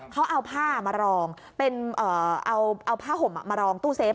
เขาเอาผ้ามารองเป็นเอาผ้าห่มมารองตู้เซฟ